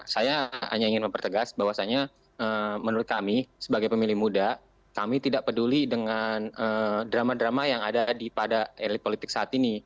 saya hanya ingin mempertegas bahwasannya menurut kami sebagai pemilih muda kami tidak peduli dengan drama drama yang ada pada elit politik saat ini